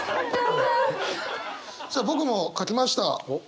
さあ僕も書きました。